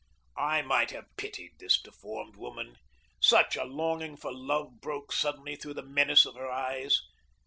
I might have pitied this deformed woman such a longing for love broke suddenly through the menace of her eyes.